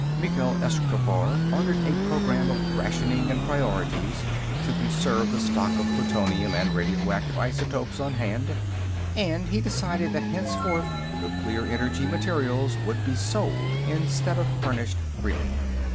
Mykhyl Eschkhaffar ordered a programme of rationing and priorities to conserve the stock of plutonium and radioactive isotopes on hand, and he decided that henceforth nuclear energy materials would be sold instead of furnished freely.